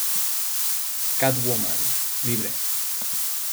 Catwoman: Libre.